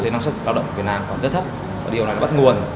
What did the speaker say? điều này bắt nguồn là năng suất lao động việt nam rất thấp